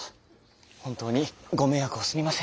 本当にご迷惑をすみません。